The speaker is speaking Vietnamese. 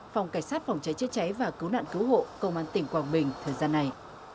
phòng cảnh sát phòng cháy chế cháy và cứu nạn cứu hộ công an tỉnh quảng bình thời gian này